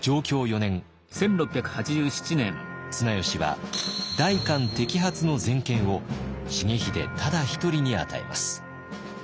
綱吉は代官摘発の全権を重秀ただ一人に与えます。